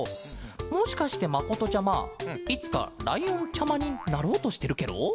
もしかしてまことちゃまいつかライオンちゃまになろうとしてるケロ？